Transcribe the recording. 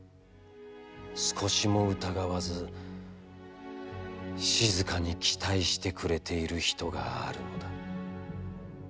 少しも疑わず、静かに期待してくれている人があるのだ。